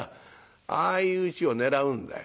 ああいううちを狙うんだよね。